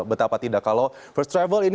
betapa tidak kalau first travel ini